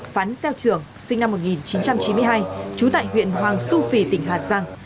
phán xeo trường sinh năm một nghìn chín trăm chín mươi hai trú tại huyện hoàng su phi tỉnh hà giang